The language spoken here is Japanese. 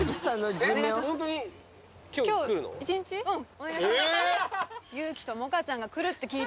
お願いします